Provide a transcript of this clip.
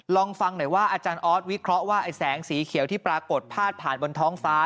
ลองฟังหน่อยว่าอาจารย์ออสวิเคราะห์ว่าไอ้แสงสีเขียวที่ปรากฏพาดผ่านบนท้องฟ้า